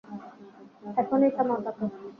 এখনই থামাও তাকে।